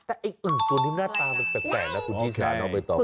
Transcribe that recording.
แต่ไอ้อึ่งตัวนี้หน้าตามันแปลกนะคุณชิสาน้องใบตอง